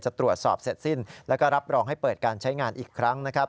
จะตรวจสอบเสร็จสิ้นแล้วก็รับรองให้เปิดการใช้งานอีกครั้งนะครับ